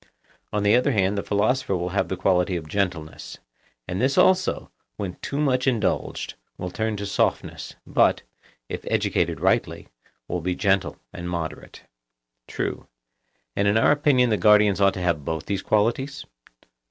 On the other hand the philosopher will have the quality of gentleness. And this also, when too much indulged, will turn to softness, but, if educated rightly, will be gentle and moderate. True. And in our opinion the guardians ought to have both these qualities?